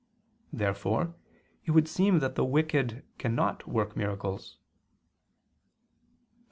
Therefore it would seem that the wicked cannot work miracles. Obj.